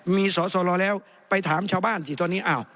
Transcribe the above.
มีสอสลแล้วไปถามชาวบ้านสิตอนนี้